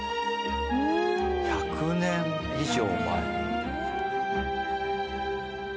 １００年以上前。